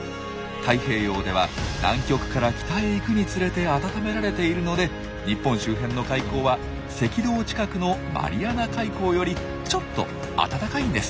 太平洋では南極から北へ行くにつれて温められているので日本周辺の海溝は赤道近くのマリアナ海溝よりちょっと温かいんです。